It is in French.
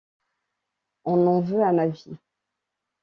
on en veut à ma vie.